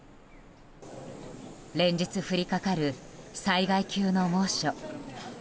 連日降りかかる災害級の猛暑。